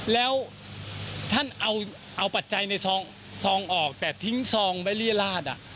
แล้วท่านเอาปัจจัยในซองออกแต่ทิ้งซองไว้เรียราช